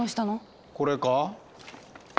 これか？